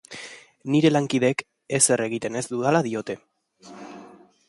Nire lankideek ezer egiten ez dudala diote.